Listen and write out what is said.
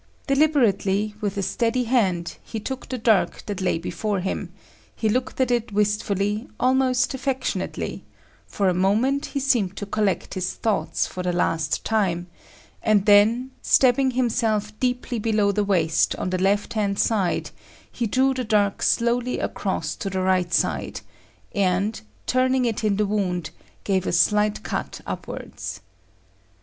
Deliberately, with a steady hand, he took the dirk that lay before him; he looked at it wistfully, almost affectionately; for a moment he seemed to collect his thoughts for the last time, and then stabbing himself deeply below the waist on the left hand side, he drew the dirk slowly across to the right side, and, turning it in the wound, gave a slight cut upwards.